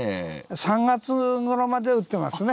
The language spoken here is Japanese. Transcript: ３月ごろまで売ってますね。